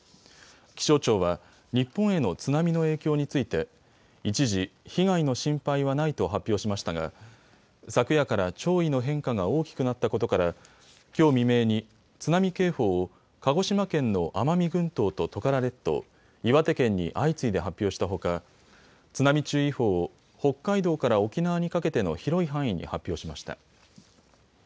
気象庁は日本への津波の影響について一時、被害の心配はないと発表しましたが昨夜から潮位の変化が大きくなったことからきょう未明に津波警報を鹿児島県の奄美群島とトカラ列島、岩手県に相次いで発表したほか津波注意報を北海道から沖縄にかけての広い範囲に発表しました。